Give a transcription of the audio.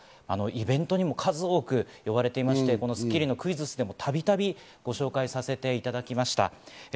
イベントにも数多く呼ばれていまして、『スッキリ』のクイズッスでもたびたびご紹介させていただきました。